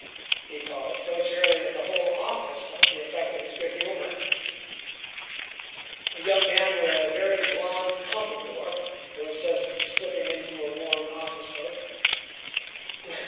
he called, so cheerily that the whole office felt the effect of his good humor. A young man with a very blond pompadour was just slipping into a worn office coat.